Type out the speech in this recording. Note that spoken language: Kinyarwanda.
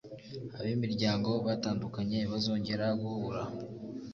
Ab'imiryango batandukanye bazongera guhura.